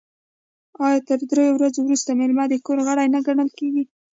آیا تر دریو ورځو وروسته میلمه د کور غړی نه ګڼل کیږي؟